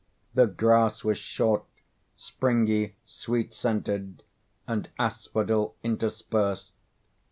The grass was short, springy, sweet scented, and asphodel interspersed.